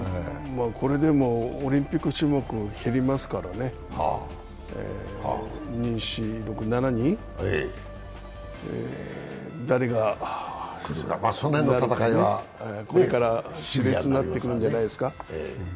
でもオリンピック種目も減りますからね７人、誰がなるかね、これからしれつになってくるんじゃないですか。